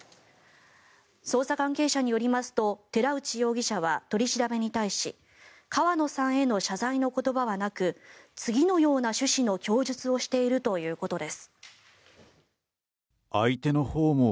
捜査関係者によりますと寺内容疑者は取り調べに対し川野さんへの謝罪の言葉はなく次のような趣旨の供述をしているということです。